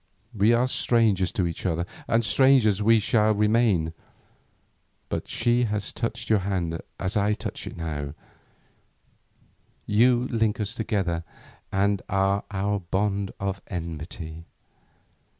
We are strangers to each other, and strangers we shall remain, but she has touched your hand as I touch it now; you link us together and are our bond of enmity.